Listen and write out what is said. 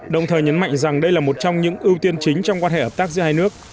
đồng thời nhấn mạnh rằng đây là một trong những ưu tiên chính trong quan hệ hợp tác giữa hai nước